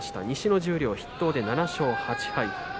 西の十両筆頭で７勝８敗。